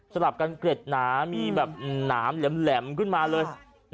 ลับกันเกร็ดหนามีแบบหนามแหลมขึ้นมาเลย